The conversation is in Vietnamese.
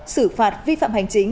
xử phạt vi phạm hành chính